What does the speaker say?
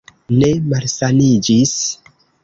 Ne malsaniĝis?